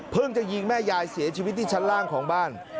จะยิงแม่ยายเสียชีวิตที่ชั้นล่างของบ้าน